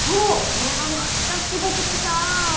それがまたすごくてさ。